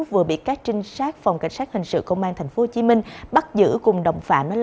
vừa bị các trinh sát phòng cảnh sát hình sự công an tp hcm bắt giữ cùng đồng phạm